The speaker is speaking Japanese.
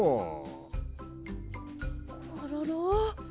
コロロ。